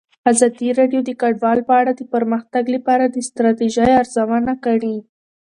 ازادي راډیو د کډوال په اړه د پرمختګ لپاره د ستراتیژۍ ارزونه کړې.